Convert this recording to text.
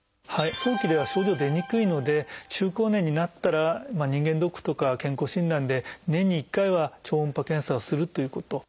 早期では症状出にくいので中高年になったら人間ドックとか健康診断で年に１回は超音波検査をするということ。